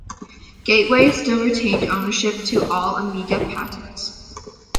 Gateway still retained ownership to all Amiga patents.